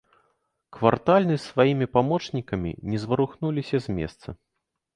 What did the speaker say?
Квартальны з сваімі памочнікамі не зварухнуліся з месца.